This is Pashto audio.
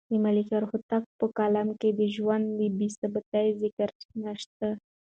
د ملکیار هوتک په کلام کې د ژوند د بې ثباتۍ ذکر نشته.